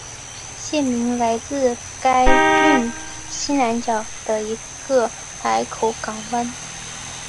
县名来自该郡西南角的一个河口港湾。